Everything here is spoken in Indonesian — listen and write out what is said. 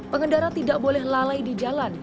pengendara tidak boleh lalai di jalan